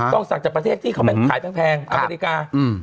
ต้องสั่งจากประเทศที่ขายแพงอเมริกา